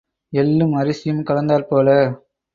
எள்ளும் அரிசியும் கலந்தாற் போல.